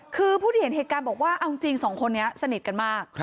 คือผู้ที่เห็นเหตุการณ์บอกว่าเอาจริงสองคนนี้สนิทกันมาก